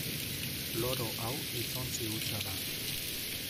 Loro hau hitzontzi hutsa da.